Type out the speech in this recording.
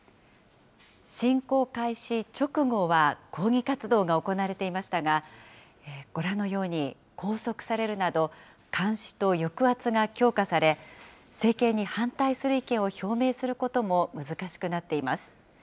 侵攻開始直後は、抗議活動が行われていましたが、ご覧のように拘束されるなど、監視と抑圧が強化され、政権に反対する意見を表明することも難しくなっています。